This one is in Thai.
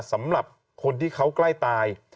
สำหรับคนที่เขาใกล้ตาย